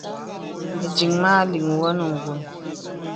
Ìdìŋ mə aliŋ wɔ nə ǹgùl.